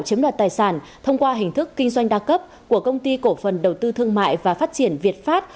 chiếm đoạt tài sản thông qua hình thức kinh doanh đa cấp của công ty cổ phần đầu tư thương mại và phát triển việt pháp